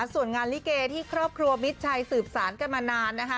ส่วนงานลิเกที่ครอบครัวมิดชัยสืบสารกันมานานนะคะ